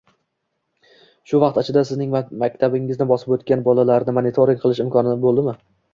— Shu vaqt ichida sizning maktabingizni bosib oʻtgan bolalarni monitoring qilish imkoni boʻldimi?